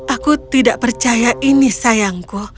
aku tidak percaya ini sayangku